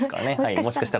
もしかしたら。